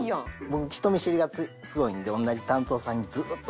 僕人見知りがすごいんで同じ担当さんにずーっと。